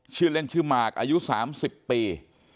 ชื่อเล่นชื่อมากอายุ๓๐ปี